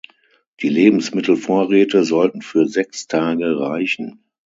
Die Lebensmittelvorräte sollten für sechs Tage reichen.